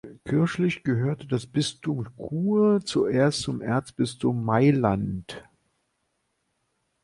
Kirchlich gehörte das Bistum Chur zuerst zum Erzbistum Mailand.